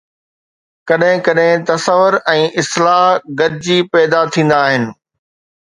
ڪڏهن ڪڏهن تصور ۽ اصطلاح گڏجي پيدا ٿيندا آهن.